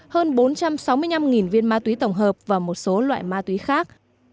hơn bốn trăm sáu mươi năm viên ma túy tổng hợp và một số loại ma túy khác